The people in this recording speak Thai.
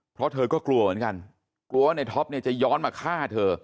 เพราะเธอก็กลัวเหมือนกันกลัวว่าในท็อปเนี่ยจะย้อนมาฆ่าเธอ